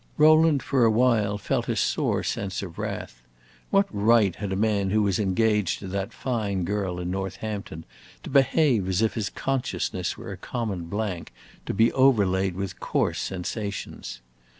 Rowland for a while felt a sore sense of wrath. What right had a man who was engaged to that fine girl in Northampton to behave as if his consciousness were a common blank, to be overlaid with coarse sensations?